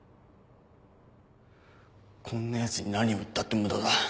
こんなヤツに何を言ったって無駄だ。